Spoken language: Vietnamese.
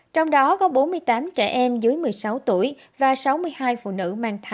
trong đó có bốn mươi tám trẻ em dưới một mươi sáu tuổi và sáu mươi hai phụ nữ